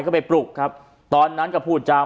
ก็ไปปลุกครับตอนนั้นก็พูดจาม